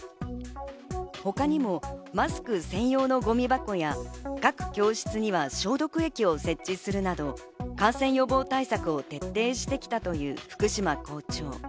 他にもマスク専用のゴミ箱や各教室には消毒液を設置するなど、感染予防対策を徹底してきたという福島校長。